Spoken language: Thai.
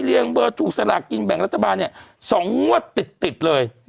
เลี่ยงเบอร์ถูกสลากินแบ่งรัฐบาลเนี่ยสองงวดติดติดเลย